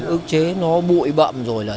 ước chế nó bụi bậm rồi là